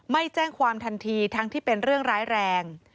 ไม่แจ้งความทันทีทั้งที่เป็นเรื่องร้ายแรง